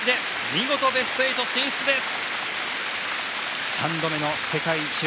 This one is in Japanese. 見事ベスト８進出です！